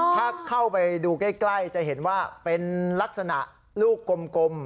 ถ้าเข้าไปดูใกล้จะเห็นว่าเป็นลักษณะลูกกลม